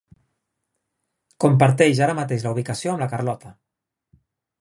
Comparteix ara mateix la ubicació amb la Carlota.